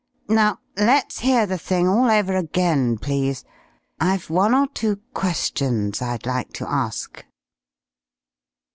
Now let's hear the thing all over again, please. I've one or two questions I'd like to ask."